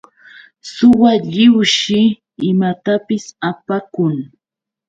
Suwa lliwshi imatapis apakun.